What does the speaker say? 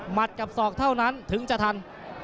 หมัดกับสอบเท่านั้นถึงจะทัน